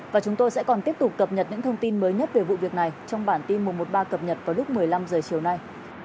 và chúng tôi sẽ còn tiếp tục cập nhật những thông tin mới nhất về vụ việc này trong bản tin một trăm một mươi ba cập nhật vào lúc một mươi năm h chiều nay